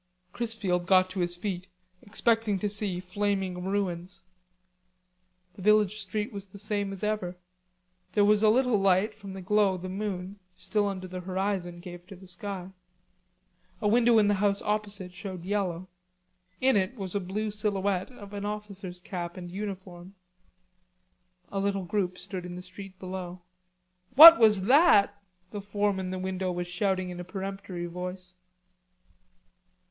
Chrisfield got to his feet, expecting to see flaming ruins. The village street was the same as ever. There was a little light from the glow the moon, still under the horizon, gave to the sky. A window in the house opposite showed yellow. In it was a blue silhouette of an officer's cap and uniform. A little group stood in the street below. "What was that?" the form in the window was shouting in a peremptory voice.